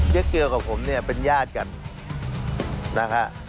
เจ๊เกียวกับผมเป็นญาติกันนะคะ